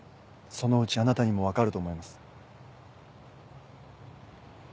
そのうちあなたにも分かると思います。